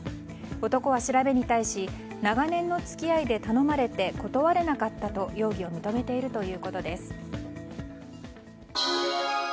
男は調べに対し長年の付き合いで頼まれて断れなかったと容疑を認めているということです。